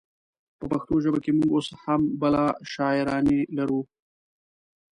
په پښتو ژبه کې مونږ اوس هم بلها شاعرانې لرو